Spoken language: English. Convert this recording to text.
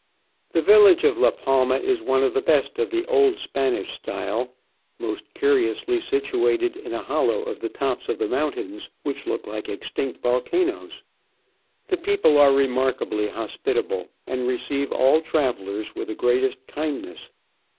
The village of La Palma IS one of the best of the old Spanish style, most curiously situated in a. hollow of the tops of the moun tains, which look like extinct volcanoes. The people are remarkably hospitable, and receive all travellers with the greatest kindness.